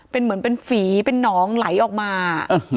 เป็นเหมือนเป็นฝีเป็นน้องไหลออกมา